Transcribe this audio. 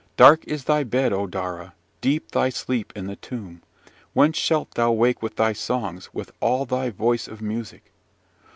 Dark is thy bed, O Daura! deep thy sleep in the tomb! When shalt thou wake with thy songs? with all thy voice of music?